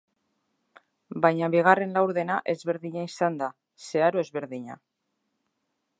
Baina bigarren laurdena ezberdina izan da, zeharo ezberdina.